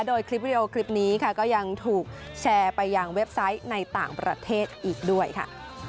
โดยคลิปวิดีโอคลิปนี้ค่ะก็ยังถูกแชร์ไปยังเว็บไซต์ในต่างประเทศอีกด้วยค่ะ